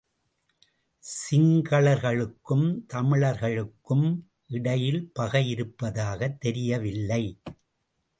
சிங்களர்களுக்கும் தமிழர்களுக்கும் இடையில் பகை இருப்பதாகத் தெரியவில்லை.